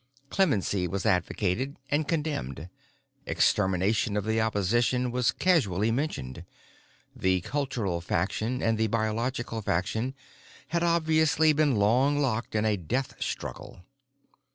Clemency was advocated and condemned; extermination of the opposition was casually mentioned; the Cultural Faction and the Biological Faction had obviously been long locked in a death struggle.